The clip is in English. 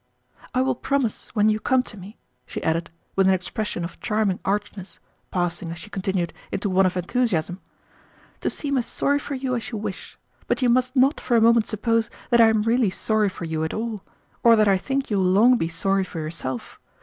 "I will promise, when you come to me," she added, with an expression of charming archness, passing, as she continued, into one of enthusiasm, "to seem as sorry for you as you wish, but you must not for a moment suppose that I am really sorry for you at all, or that I think you will long be sorry for yourself.